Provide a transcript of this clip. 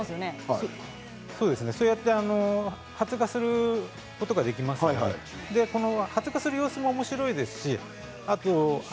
そうやって発芽することができますので発芽する様子もおもしろいです。